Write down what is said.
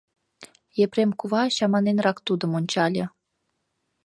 — Епрем кува чаманенрак тудым ончале.